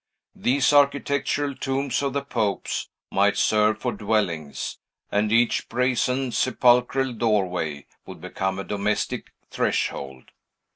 These architectural tombs of the popes might serve for dwellings, and each brazen sepulchral doorway would become a domestic threshold.